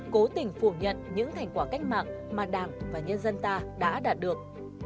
cố tình phủ nhận những thành quả cách mạng mà đảng và nhân dân ta đã đạt được